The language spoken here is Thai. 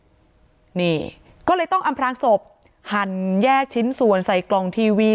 นี่ก็เลยต้องอำพลางศพหั่นแยกชิ้นส่วนใส่กล่องทีวี